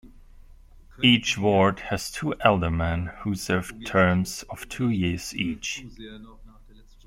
Each Ward has two alderman who serve terms of two years each.